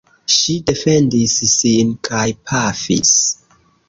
Ŝi defendis sin kaj pafis.